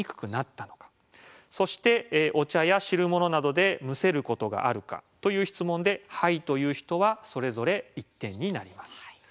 そして「お茶や汁物などでむせることがあるか」という質問で「はい」という人はそれぞれ１点になります。